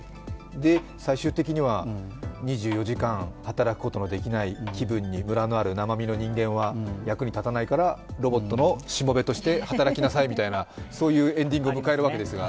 最終的には２４時間働くことのできない気分に、むらのある生身の人間は役に立たないからロボットのしもべとして働きなさいみたいなエンディングを迎えるわけですが。